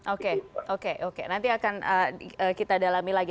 oke oke oke nanti akan kita dalami lagi